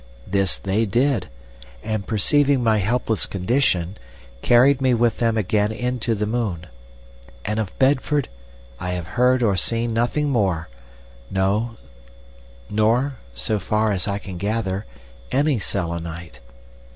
This they did, and, perceiving my helpless condition, carried me with them again into the moon. And of Bedford I have heard or seen nothing more, nor, so far as I can gather, has any Selenite.